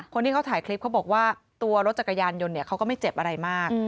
คนที่เขาถ่ายคลิปเขาบอกว่าตัวรถจักรยานยนต์เขาก็ไม่เจ็บอะไรมาก